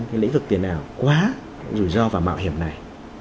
cái lĩnh vực tiền ảo quá rủi ro và mạo hiểm này